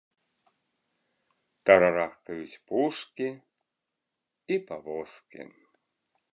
Тарарахкаюць пушкі і павозкі.